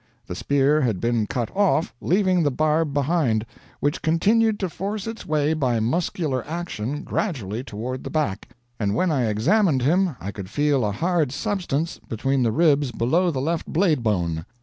The spear had been cut off, leaving the barb behind, which continued to force its way by muscular action gradually toward the back; and when I examined him I could feel a hard substance between the ribs below the left blade bone.